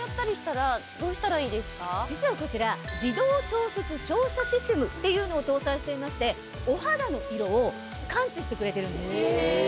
実はこちら。っていうのを搭載していましてお肌の色を感知してくれてるんです。